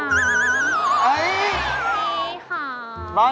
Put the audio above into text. ไอ้นี่ค่ะ